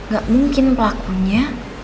gak mungkin pelakunya